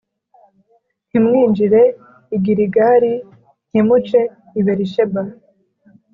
ntimwinjire i Giligali, ntimuce i Berisheba,